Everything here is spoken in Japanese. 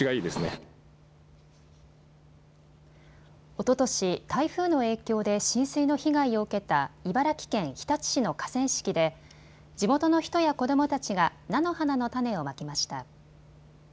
おととし、台風の影響で浸水の被害を受けた茨城県日立市の河川敷で地元の人や子どもたちが菜の花の種をまきました。